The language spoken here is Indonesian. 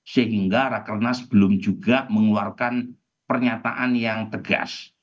sehingga rakernas belum juga mengeluarkan pernyataan yang tegas